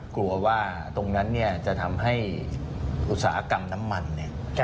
กลัวว่าตรงนั้นเนี่ยจะทำให้อุตสาหกรรมน้ำมันเนี่ย